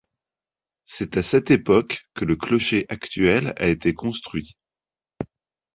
C'est à cette époque que le clocher actuel a été construit.